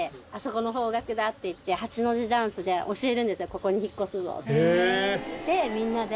「ここに引っ越すぞ」って。